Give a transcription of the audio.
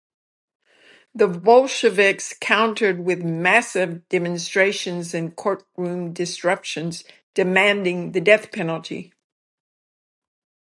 The Bolsheviks countered with massive demonstrations and courtroom disruptions demanding the death penalty.